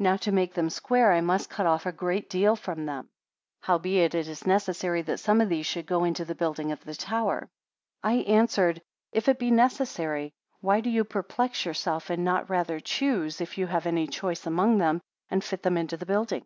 Now to make them square, I must cut off a great deal from them; howbeit, it is necessary that some of these should go into the building of the tower. 77 I answered; If it be necessary, why do you perplex yourself, and not rather choose, if you have any choice among them, and fit them into the building.